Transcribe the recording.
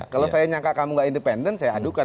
kalau saya nyangka kamu gak independen saya adukan